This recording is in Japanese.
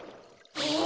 え？